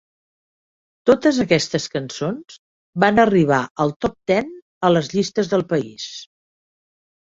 Totes aquestes cançons van arribar al Top Ten a les llistes del país